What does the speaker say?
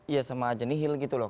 iya sama aja nihil gitu loh